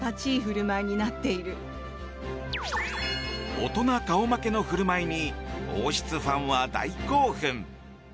大人顔負けの振る舞いに王室ファンは大興奮！